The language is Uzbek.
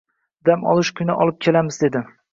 Dam olish kuni olib kelamiz dedi